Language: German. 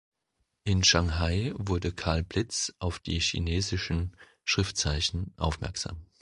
In Shanghai wurde Karl Blitz auf die chinesischen Schriftzeichen aufmerksam.